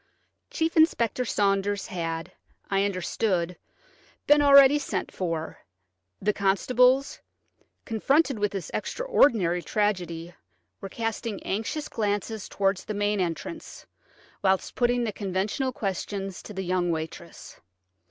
Chief Inspector Saunders had, I understood, been already sent for; the constables, confronted with this extraordinary tragedy, were casting anxious glances towards the main entrance, whilst putting the conventional questions to the young waitress.